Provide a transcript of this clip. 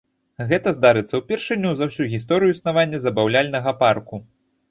Гэта здарыцца ўпершыню за ўсю гісторыю існавання забаўляльнага парку.